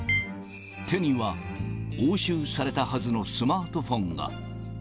手には押収されたはずのスマートフォンが。